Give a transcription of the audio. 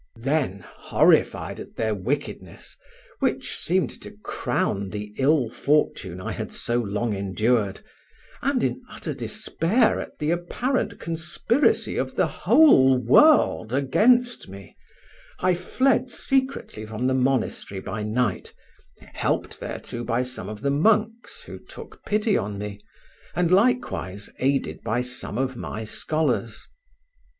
Then, horrified at their wickedness, which seemed to crown the ill fortune I had so long endured, and in utter despair at the apparent conspiracy of the whole world against me, I fled secretly from the monastery by night, helped thereto by some of the monks who took pity on me, and likewise aided by some of my scholars.